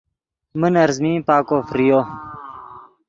من ارزمین پاکو فریو